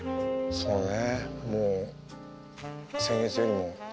そうね